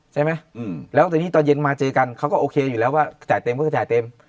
ใช่ไหมแล้วตอนนี้ตอนเย็นมาเจอกันเขาก็โอเคอยู่แล้วว่าจ่ายเต็มก็คือจ่ายเต็ม